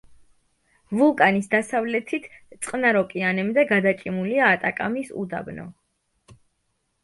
ვულკანის დასავლეთით წყნარ ოკეანემდე გადაჭიმულია ატაკამის უდაბნო.